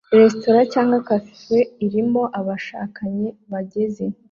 Restaurant cyangwa cafe irimo abashakanye bageze